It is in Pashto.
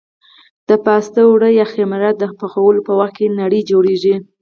د پاستي اوړه یا خمېره د پخولو په وخت کې نرۍ جوړېږي.